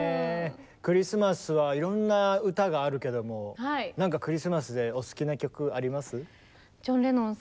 クリスマスはいろんな歌があるけども何かクリスマスでお好きな曲あります？